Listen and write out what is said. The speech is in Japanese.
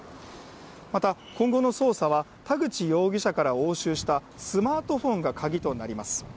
また、今後の捜査は、田口容疑者から押収したスマートフォンが鍵となります。